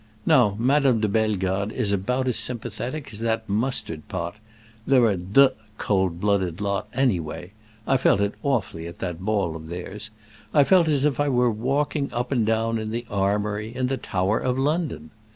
Now Madame de Bellegarde is about as sympathetic as that mustard pot. They're a d—d cold blooded lot, any way; I felt it awfully at that ball of theirs. I felt as if I were walking up and down in the Armory, in the Tower of London!